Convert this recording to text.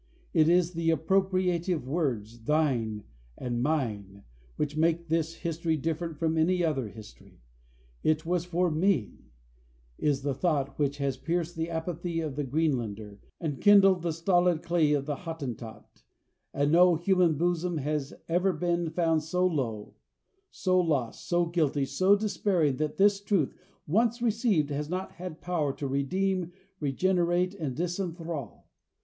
It is the appropriative words, thine and mine, which make this history different from any other history. This was for me, is the thought which has pierced the apathy of the Greenlander, and kindled the stolid clay of the Hottentot; and no human bosom has ever been found so low, so lost, so guilty, so despairing, that this truth, once received, has not had power to redeem, regenerate, and disenthrall.